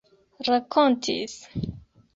rakontis